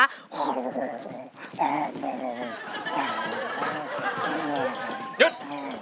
หยุด